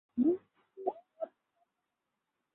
জ্যাকি তাদের বেকায়দায় ফেলে।